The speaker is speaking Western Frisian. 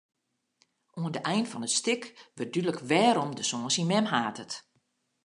Oan de ein fan it stik wurdt dúdlik wêrom de soan syn mem hatet.